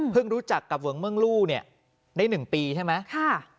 รู้จักกับเหิงเมืองลู่เนี่ยได้๑ปีใช่ไหม